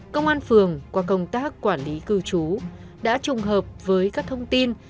công an phường qua công tác quản lý cư trú đã trùng hợp với các thông tin